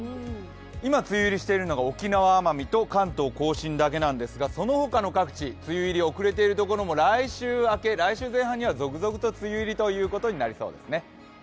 今梅雨入りしているのが沖縄、奄美と関東甲信なんですけど、その他の各地、梅雨入り、遅れているところも来週明け、来週前半には続々と梅雨入りということになりそうですね。